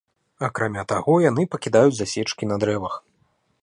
Акрамя таго яны пакідаюць засечкі на дрэвах.